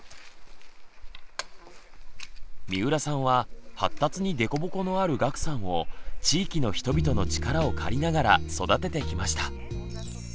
三浦さんは発達に凸凹のある岳さんを地域の人々の力を借りながら育ててきました。